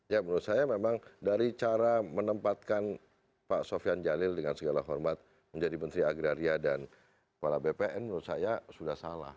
ya menurut saya memang dari cara menempatkan pak sofian jalil dengan segala hormat menjadi menteri agraria dan kepala bpn menurut saya sudah salah